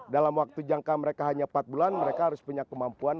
dalam waktu jangka mereka hanya empat bulan mereka harus punya kemampuan